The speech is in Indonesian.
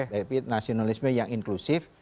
tapi nasionalisme yang inklusif